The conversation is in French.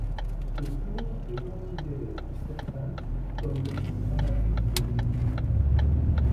Ce tour est considéré par certains comme le plus dramatique de l'histoire.